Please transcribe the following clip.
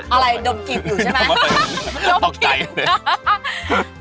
อะไรดมกิฟท์อยู่ใช่ไหม